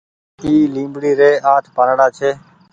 اي ليبڙي ري آٺ پآنڙآ ڇي۔